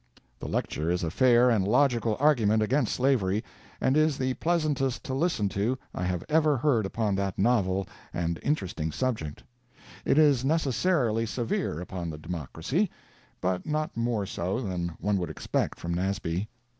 The lecture is a fair and logical argument against slavery, and is the pleasantest to listen to I have ever heard upon that novel and interesting subject. It is necessarily severe upon the Democracy, but not more so than one would expect from Nasby.